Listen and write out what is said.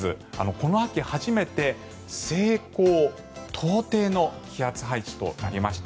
この秋初めて西高東低の気圧配置となりました。